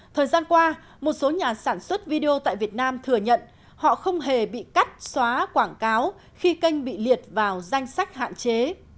thời gian qua một số nhà sản xuất video tại việt nam thừa nhận họ không hề bị cắt xóa quảng cáo khi kênh bị liệt vào danh sách hạn chế